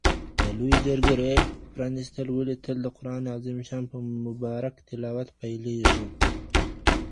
د لویې جرګي پرانیستل ولي تل د قران عظیم الشان په مبارک تلاوت پیلیږي؟